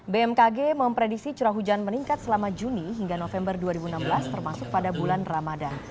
bmkg memprediksi curah hujan meningkat selama juni hingga november dua ribu enam belas termasuk pada bulan ramadan